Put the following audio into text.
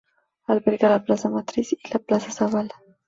Alberga la Plaza Matriz y la Plaza Zabala.